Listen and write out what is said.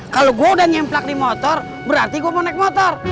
kalo gua udah nyemplak di motor berarti gua mau naik motor